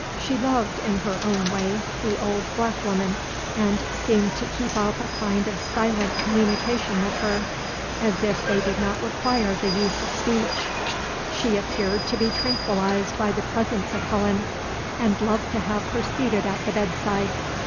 She loved, in her own way, the old black woman, and seemed to keep up a kind of silent communication with her, as if they did not require the use of speech. She appeared to be tranquillized by the presence of Helen, and loved to have her seated at the bedside.